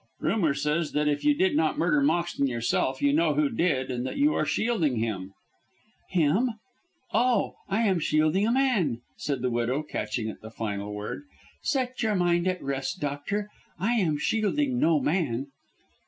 "Rumour says that if you did not murder Moxton yourself you know who did, and that you are shielding him." "Him! Oh, I am shielding a man," said the widow, catching at the final word. "Set your mind at rest, doctor, I am shielding no man."